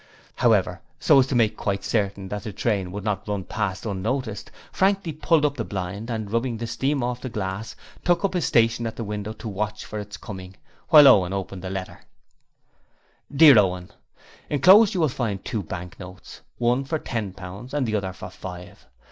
However, so as to make quite certain that the train should not run past unnoticed, Frankie pulled up the blind and, rubbing the steam off the glass, took up his station at the window to watch for its coming, while Owen opened the letter: 'Dear Owen, 'Enclosed you will find two bank notes, one for ten pounds and the other for five.